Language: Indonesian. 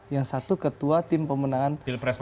yang satu ketua tim pemenangan